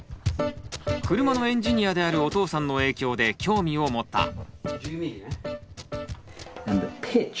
車のエンジニアであるお父さんの影響で興味を持った。